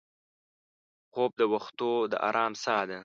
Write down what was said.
خوب د وختو د ارام سا ده